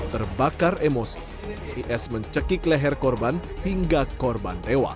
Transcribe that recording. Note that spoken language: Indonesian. terbakar emosi is mencekik leher korban hingga korban tewas